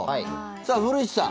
さあ、古市さん。